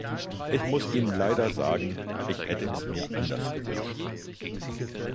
Ich muss Ihnen leider sagen, ich hätte es mir anders gewünscht.